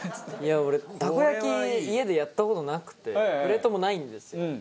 俺たこ焼き家でやった事なくてプレートもないんですよ。